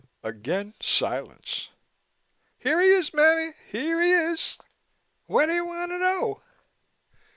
Again silence. "Here he is, mammy. Here he is. What do you want to know?"